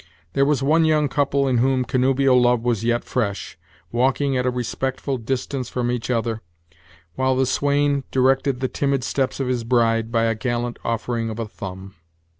There was one young couple, in whom connubial love was yet fresh, walking at a respectful distance from each other; while the swain directed the timid steps of his bride, by a gallant offering of a thumb.